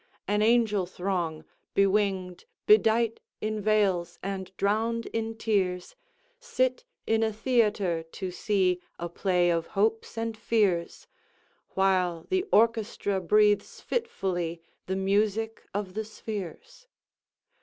An angel throng, bewinged, bedight In veils, and drowned in tears, Sit in a theatre, to see A play of hopes and fears, While the orchestra breathes fitfully The music of the spheres.